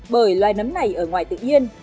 bởi loài nấm này ở ngoài tự nhiên